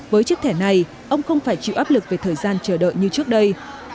với chiếc thẻ này ông không phải chịu áp lực về thời gian chờ đợi như trước đây